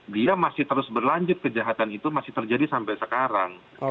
dia masih terus berlanjut kejahatan itu masih terjadi sampai sekarang